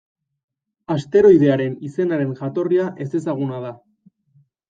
Asteroidearen izenaren jatorria ezezaguna da.